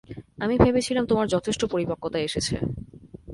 আমি ভেবেছিলাম তোমার যথেষ্ট পরিপক্কতা এসেছে।